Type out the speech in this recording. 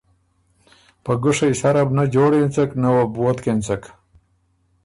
په ګوشئ سره بُو نۀ جوړ اېنڅک، نۀ وه بو ووتک اېنڅک۔